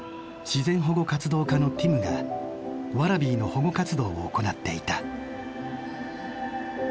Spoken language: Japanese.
自然保護活動家のティムがワラビーの保護活動を行っていた。